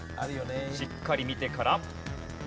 しっかり見てから。